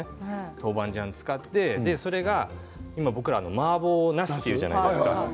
豆板醤を使って僕らはマーボーなすと言うじゃないですか。